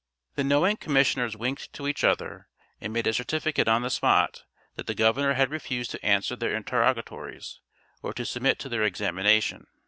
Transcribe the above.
The knowing commissioners winked to each other and made a certificate on the spot that the governor had refused to answer their interrogatories or to submit to their examination.